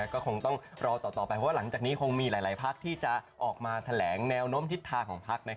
ก็คงต้องรอต่อไปเพราะว่าหลังจากนี้คงมีหลายพักที่จะออกมาแถลงแนวโน้มทิศทางของพัก